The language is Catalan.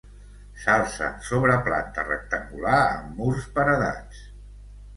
S'alça sobre planta rectangular amb murs paredats.